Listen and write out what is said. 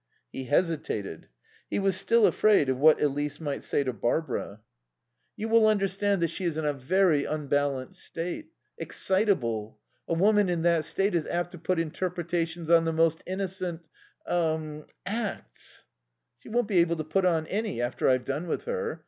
He hesitated. He was still afraid of what Elise might say to Barbara. "You will understand that she is in a very unbalanced state. Excitable. A woman in that state is apt to put interpretations on the most innocent er acts." "She won't be able to put on any after I've done with her.